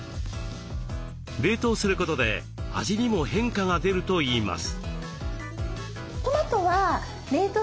冷凍することで味にも変化が出るといいます。